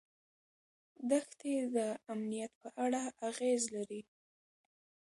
دښتې د امنیت په اړه اغېز لري.